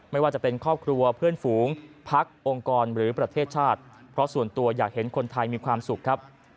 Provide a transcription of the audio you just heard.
ไม่ว่าจะเป็นครอบครัวเพื่อนฝูงพักองค์กรหรือประเทศชาติเพราะส่วนตัวอยากเห็นคนไทยมีความสุขครับ